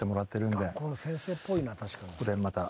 ここでまた。